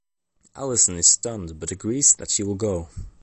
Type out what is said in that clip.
Alison is stunned but agrees that she will go.